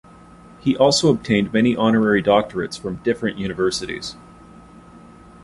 He also obtained many honorary doctorates from different universities.